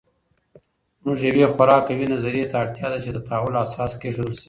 زموږ یوې خورا قوي نظریې ته اړتیا ده چې د تحول اساس کېښودل سي.